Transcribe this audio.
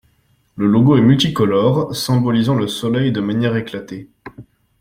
Le logo est multicolore, symbolisant le soleil de manière éclatée.